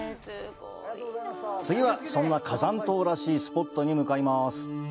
次は、そんな火山島らしいスポットに向かいます。